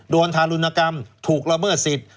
โดนทารุณกรรมถูกละเมื่อสิทธิ์